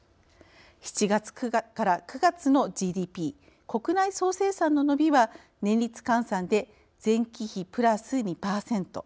７月から９月のＧＤＰ＝国内総生産の伸びは年率換算で前期比プラス２％。